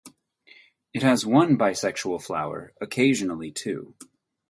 It has one bisexual flower (occasionally two).